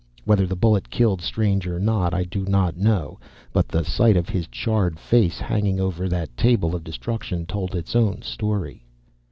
Whether the bullet killed Strange or not, I do not know: but the sight of his charred face, hanging over that table of destruction, told its own story.